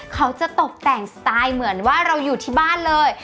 เขาจะตกแต่งสไตล์เหมือนว่าเราอยู่ที่บ้านเลย